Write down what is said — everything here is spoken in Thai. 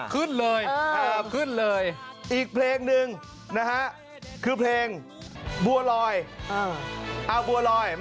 ขึ้นเลยอีกเพลงนึงนะฮะคือเพลงบัวลอย